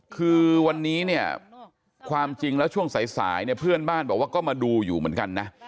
คือวันนี้เนี่ยความจริงแล้วช่วงสายเนี่ยเพื่อนบ้านบอกว่าก็มาดูอยู่เหมือนกันนะ